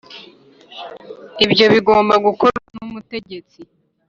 ibyo bigomba gukorwa n'umutegetsi